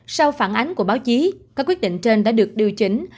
sau phản ánh của báo chí các quyết định trên đã được điều chỉnh